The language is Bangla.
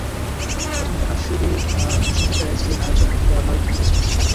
প্রধানত কাশ্মীরি যুবকেরাই ছিলেন আয়োজক, যাঁরা ভারত থেকে বিচ্ছিন্ন হতে চান।